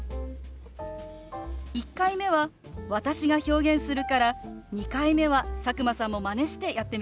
１回目は私が表現するから２回目は佐久間さんもマネしてやってみてね。